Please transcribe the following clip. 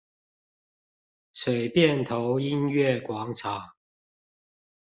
水汴頭音樂廣場